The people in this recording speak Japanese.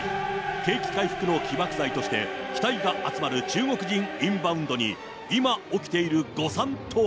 景気回復の起爆剤として期待が集まる中国人インバウンドに今起きている誤算とは。